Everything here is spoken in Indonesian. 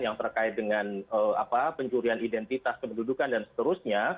yang terkait dengan pencurian identitas kependudukan dan seterusnya